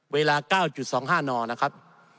เวลา๙๒๕นนะครับ